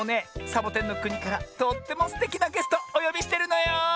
サボテンのくにからとってもすてきなゲストおよびしてるのよ。